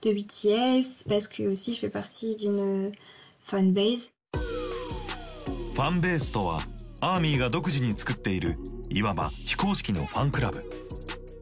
「ファンベース」とはアーミーが独自に作っているいわば非公式のファンクラブ。